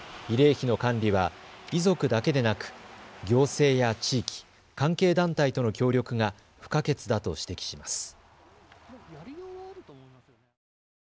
慰霊碑の管理は遺族だけでなく行政や地域、関係団体との協力が不可欠だと指摘します。